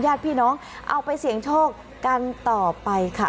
ญาติพี่น้องเอาไปเสี่ยงโชคกันต่อไปค่ะ